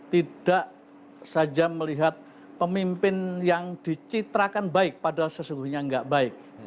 tidak saja melihat pemimpin yang dicitrakan baik padahal sesungguhnya nggak baik